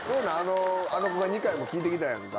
あの子が２回も聞いてきたやんか。